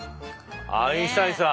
アインシュタインさん！